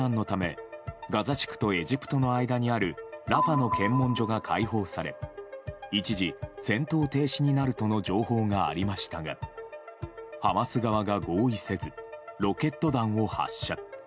民間人の避難のためガザ地区とエジプトの間にあるラファの検問所が解放され一時、戦闘停止になるとの情報がありましたがハマス側が合意せずロケット弾を発射。